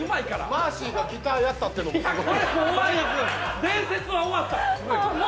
マーシーがギターやったっていうのも。